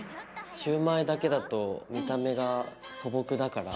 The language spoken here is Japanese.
シュウマイだけだと見た目が素朴だから？